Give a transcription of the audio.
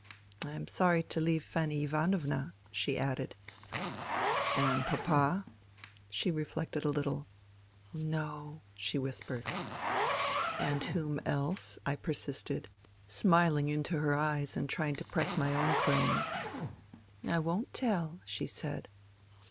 I am sorry to leave Fanny Ivanovna," she added. *' And Papa ?" She reflected a httle. " No," she whispered. THE THREE SISTERS 28 (( And whom else ?" I persisted, smiling into her eyes and trying to press my own claims. " I won't tell," she said.